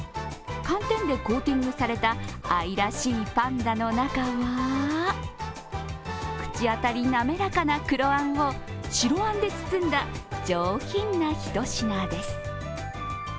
寒天でコーティングされた愛らしいパンダの中は口当たり滑らかな黒あんを白あんで包んだ上品なひと品です。